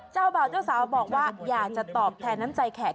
เจ้าบ่าวเจ้าสาวบอกว่าอยากจะตอบแทนน้ำใจแขก